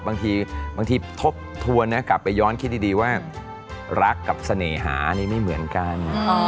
บางทีทบทวนนะกลับไปย้อนคิดดีว่ารักกับเสน่หานี่ไม่เหมือนกัน